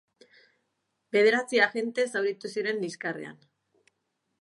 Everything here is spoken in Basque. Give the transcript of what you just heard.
Bederatzi agente zauritu ziren liskarrean.